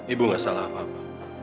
ibu gak salah apa apa